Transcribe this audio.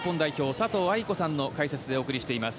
佐藤愛子さんの解説でお送りしています。